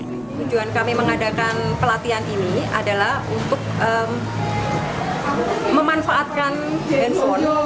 tujuan kami mengadakan pelatihan ini adalah untuk memanfaatkan handphone